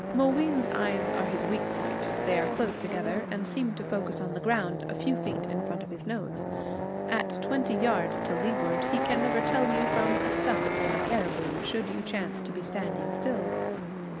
Mooween's eyes are his weak point. They are close together, and seem to focus on the ground a few feet in front of his nose. At twenty yards to leeward he can never tell you from a stump or a caribou, should you chance to be standing still.